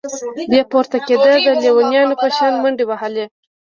بيا پورته كېده د ليونيانو په شان منډې وهلې.